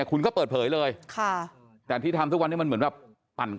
คุณก็เปิดเผยเลย